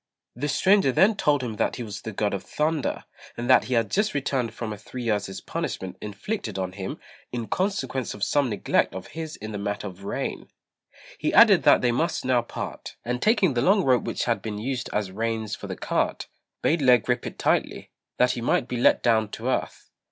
The stranger then told him that he was the God of Thunder, and that he had just returned from a three years' punishment inflicted on him in consequence of some neglect of his in the matter of rain. He added that they must now part; and taking the long rope which had been used as reins for the cart, bade Lê grip it tightly, that he might be let down to earth.